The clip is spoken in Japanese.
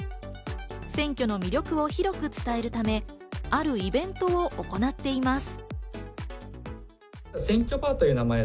選挙の魅力を広く伝えるため、あるイベントも行っています。